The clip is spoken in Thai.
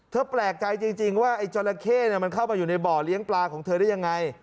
แปลกใจจริงว่าไอ้จราเข้มันเข้ามาอยู่ในบ่อเลี้ยงปลาของเธอได้ยังไง